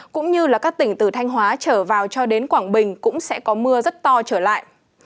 cũng như các tỉnh từ thanh hóa trở vào cho đến quảng bình cũng sẽ có mưa rất to trở lại